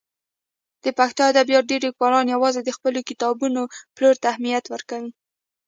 د پښتو ادبیاتو ډېری لیکوالان یوازې د خپلو کتابونو پلور ته اهمیت ورکوي.